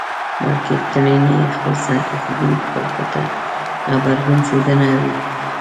بلکې کړنې يې خپلسر پېښېدونکو پېښو ته غبرګون ښودنه وي.